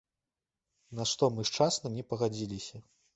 На што мы шчасна не пагадзіліся.